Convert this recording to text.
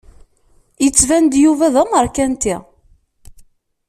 Yettban-d Yuba d amerkanti.